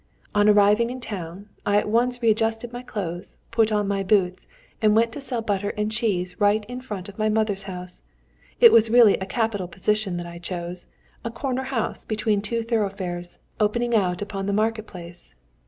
On arriving in town, I at once readjusted my clothes, put on my boots, and went to sell butter and cheese right in front of my mother's house. It was really a capital position that I chose; a corner house between two thoroughfares, opening out upon the market place."